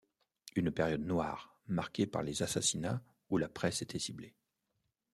Une période noire marquée par les assassinats où la presse était ciblée.